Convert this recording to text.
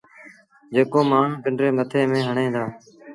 جيڪو مآڻهوٚٚݩ پنڊري مٿي ميݩ هڻين دآ